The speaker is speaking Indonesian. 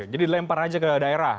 jadi lempar aja ke daerah